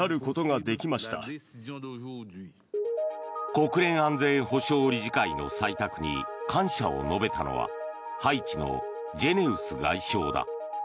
国連安全保障理事会の採択に感謝を述べたのはハイチのジェネウス外相だ。